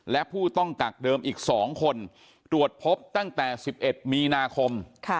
และผู้ต้องกักเดิมอีก๒คนตรวจพบตั้งแต่๑๑มีนาคม